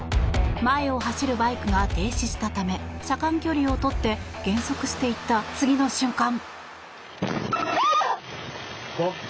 前を走るバイクが停止したため車間距離をとって減速していった次の瞬間。